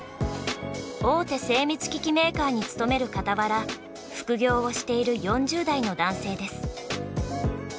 大手精密機器メーカーに勤めるかたわら副業をしている４０代の男性です。